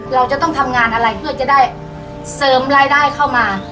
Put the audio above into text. เราจะต้องทำงานอะไรเพื่อจะได้เสริมรายได้เข้ามา